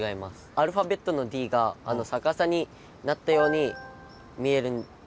アルファベットのＤが逆さになったように見えるんですよ。